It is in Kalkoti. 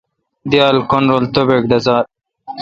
دییال کّن رل توبَک ڈزال۔